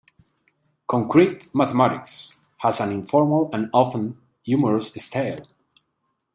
"Concrete Mathematics" has an informal and often humorous style.